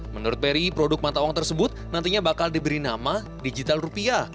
menurut peri produk mata uang tersebut nantinya bakal diberi nama digital rupiah